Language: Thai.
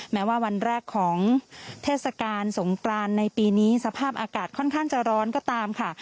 แม้ว่าวันแรกของเทศกาลสงกรานในปีนี้สภาพอากาศค่อนข้างจะร้อนก็ตามค่ะ